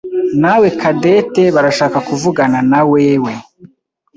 nawe Cadette barashaka kuvuganawe nawewe.